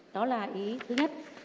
đó là ý thứ nhất